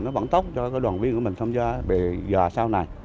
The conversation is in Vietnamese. nó vẫn tốt cho đoàn viên của mình tham gia bây giờ sau này